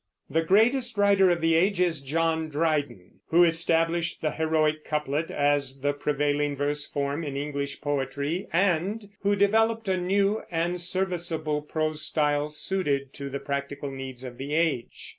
The greatest writer of the age is John Dryden, who established the heroic couplet as the prevailing verse form in English poetry, and who developed a new and serviceable prose style suited to the practical needs of the age.